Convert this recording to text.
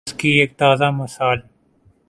اس کی ایک تازہ مثال